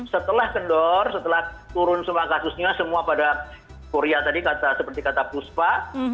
setelah kendor setelah turun semua kasusnya semua pada korea tadi seperti kata puspa